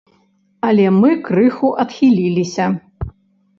Але мы крыху адхіліліся.